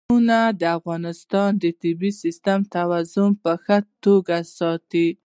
قومونه د افغانستان د طبعي سیسټم توازن په ښه توګه ساتي.